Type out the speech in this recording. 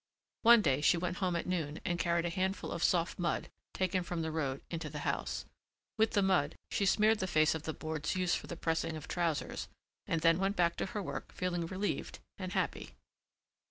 One day she went home at noon and carried a handful of soft mud, taken from the road, into the house. With the mud she smeared the face of the boards used for the pressing of trousers and then went back to her work feeling relieved and happy.